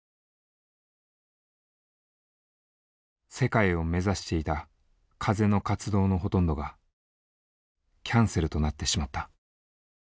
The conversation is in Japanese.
世界を目指していた風の活動のほとんどがキャンセルとなってしまった。